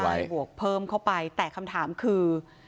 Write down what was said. บวกเพิ่มเข้าไปแต่คำถามคือ